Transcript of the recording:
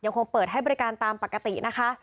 คงเปิดให้บริการตามปกตินะคะ